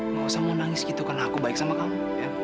gak usah mau nangis gitu karena aku baik sama kamu